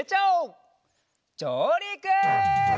じょうりく！